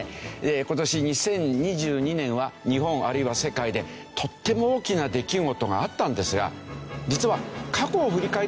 今年２０２２年は日本あるいは世界でとっても大きな出来事があったんですが実は過去を振り返ってみるとですね